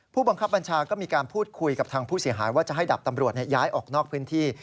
ผู้บังคับบัญชาก็มีการพูดคุยกับทางผู้เสียหายว่าจะให้ดับตำรวจย้ายออกนอกพื้นที่